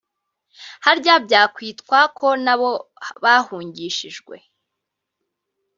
harya byakwitwa ko nabo bahungishijwe